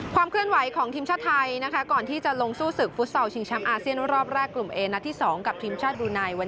ความเคลื่อนไหวของทีมชาติไทย